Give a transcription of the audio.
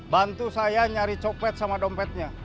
bantu saya nyari coklat sama dompetnya